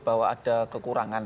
bahwa ada kekurangan